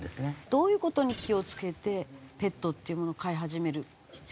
どういう事に気を付けてペットっていうものを飼い始める必要がありますか？